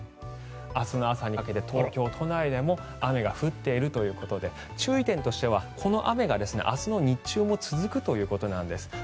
明日の朝にかけて東京都内でも雨が降っているということで注意点としてはこの雨が明日の日中も続くということなんです。